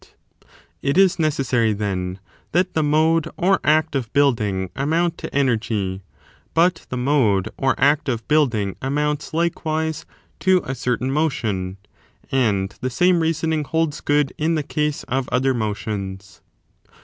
It is necessary, then, that the mode or act of building amount to energy : but the I mode or act of building amounts, likewise, to a certain motion. And the same reasoning holds good in the case of other motions.